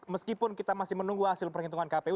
meskipun kita masih menunggu hasil perhitungan kpu